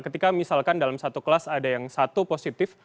ketika misalkan dalam satu kelas ada yang satu positif